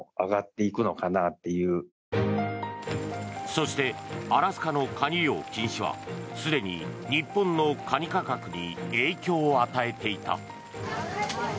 そしてアラスカのカニ漁禁止はすでに日本のカニ価格に影響を与えていた。